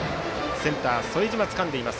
センター、副島がつかんでいます。